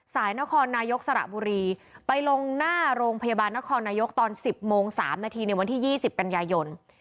นครนายกสระบุรีไปลงหน้าโรงพยาบาลนครนายกตอน๑๐โมง๓นาทีในวันที่๒๐กันยายน